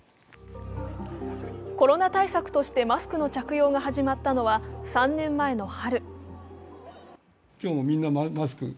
コロナ対策としてマスクの着用が始まったのは３年前の春。